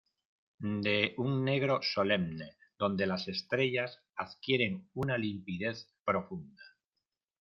de un negro solemne donde las estrellas adquieren una limpidez profunda.